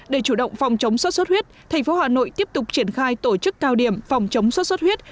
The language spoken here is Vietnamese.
để chủ động phòng chống sốt xuất huyết thành phố hà nội tiếp tục triển khai tổ chức cao điểm phòng chống sốt xuất huyết